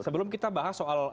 sebelum kita bahas soal